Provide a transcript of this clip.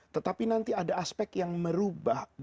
tetapi nanti ada aspek yang merubah